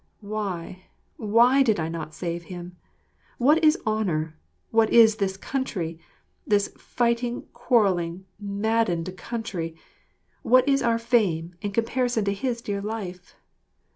Why, why did I not save him! What is honour, what is this country, this fighting, quarrelling, maddened country, what is our fame, in comparison to his dear life?